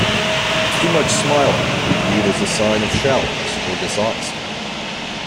Too much smiling can be viewed as a sign of shallowness or dishonesty.